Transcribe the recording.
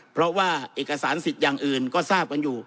เพราะว่าเอกสารสิทธิ์อย่างอื่นก็ทราบกันอยู่